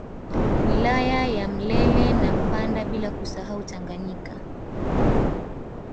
Wilaya ya Mlele na Mpanda bila kusahau Tanganyika